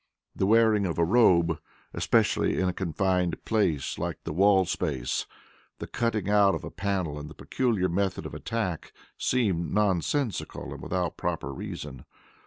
The wearing of a robe especially in a confined place like the wall space the cutting out of a panel and the peculiar method of attack seem nonsensical and without proper reason.